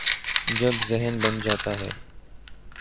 جب ذہن بن جاتا ہے۔